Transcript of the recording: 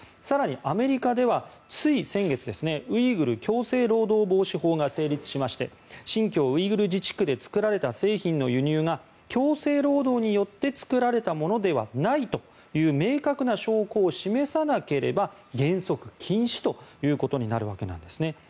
更にアメリカでは、つい先月ウイグル強制労働防止法が成立しまして新疆ウイグル自治区で作られた製品の輸入が強制労働によって作られたものではないという明確な証拠を示さなければ原則、禁止となるわけです。